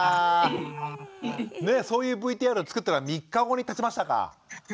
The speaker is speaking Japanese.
そういうＶＴＲを作ってから３日後に立ちましたか？